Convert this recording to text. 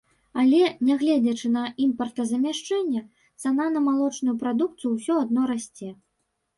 Але, нягледзячы на імпартазамяшчэнне, цана на малочную прадукцыю ўсё адно расце.